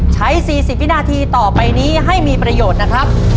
ใช้๔๐วินาทีต่อไปนี้ให้มีประโยชน์นะครับ